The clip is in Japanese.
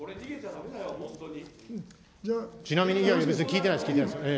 ちなみに、聞いてないです。